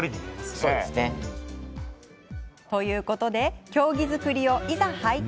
そうですね。ということで経木作りを、いざ拝見！